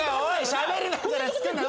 しゃべりながら作んな。